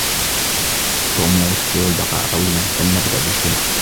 توم لا يستطيع البقاء طويلا فلنبدأ الاجتماع